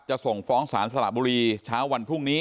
ส่งฟ้องศาลสระบุรีเช้าวันพรุ่งนี้